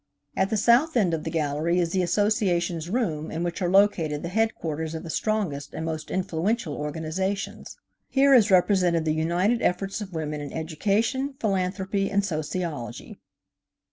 At the south end of the gallery is the Associations' room in which are located the headquarters of the strongest and most influential organizations. Here is represented the united efforts of women in education, philanthropy and sociology.